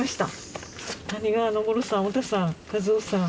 谷川昇さん